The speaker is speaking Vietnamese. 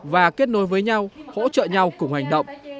và kết nối với nhau hỗ trợ nhau cùng hành động